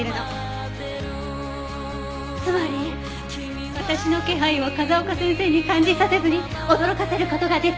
つまり私の気配を風丘先生に感じさせずに驚かせる事ができ。